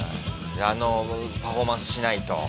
あのパフォーマンスしないと。